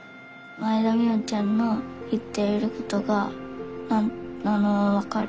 前田海音ちゃんの言っていることがわかる。